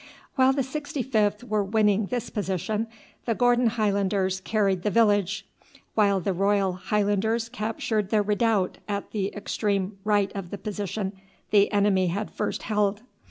While the 65th were winning this position the Gordon Highlanders carried the village, while the Royal Highlanders captured the redoubt at the extreme right of the position the enemy had first held.